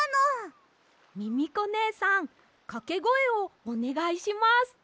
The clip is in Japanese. ミミコねえさんかけごえをおねがいします。